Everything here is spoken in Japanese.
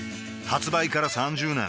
発売から３０年